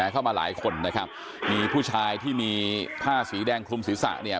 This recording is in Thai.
เข้ามาหลายคนนะครับมีผู้ชายที่มีผ้าสีแดงคลุมศีรษะเนี่ย